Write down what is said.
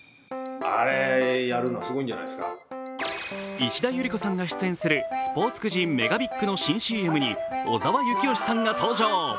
石田ゆり子さんが出演するスポーツくじＭＥＧＡＢＩＧの新ＣＭに小澤征悦さんが登場。